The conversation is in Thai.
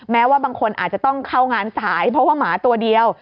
ว่าบางคนอาจจะต้องเข้างานสายเพราะว่าหมาตัวเดียว